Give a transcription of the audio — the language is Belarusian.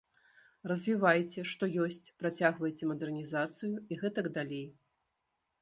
Развівайце, што ёсць, працягвайце мадэрнізацыю, і гэтак далей.